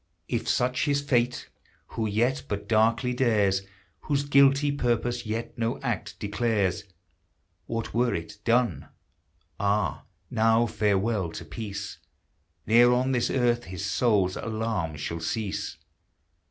If such his fate who vet but darkly dares. Whose guilty purpose yet no act declares, What were it, done! Ah! now farewell to peace! Ne'er on this earth his soul's alarms shall cease!